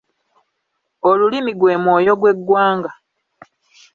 Olulimi gwe mwoyo gw'eggwanga.